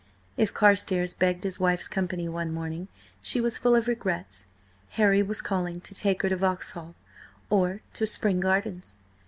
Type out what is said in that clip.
If Carstares begged his wife's company one morning, she was full of regrets: Harry was calling to take her to Vauxhall or to Spring Gardens.